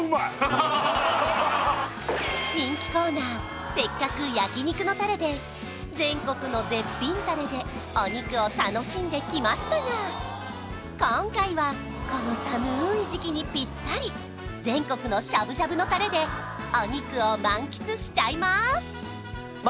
人気コーナー「せっかく焼肉のタレ」で全国の絶品タレでお肉を楽しんできましたが今回はこの寒い時期にピッタリ全国のしゃぶしゃぶのタレでお肉を満喫しちゃいまーす